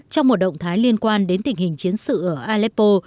trong một động thái liên quan đến tình hình chiến sự ở aleppo